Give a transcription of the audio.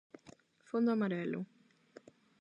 Fondo amarelo.